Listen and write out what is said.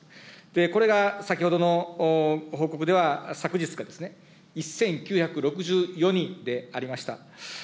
これが先ほどの報告では昨日ですね、１９６４人でありました。